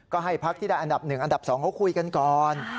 ก็ให้พักที่ได้อันดับ๑อันดับ๒เขาคุยกันก่อน